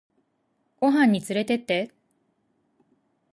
ご飯につれてって